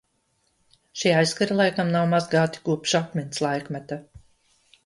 Šie aizkari laikam nav mazgāti kopš akmens laikmeta.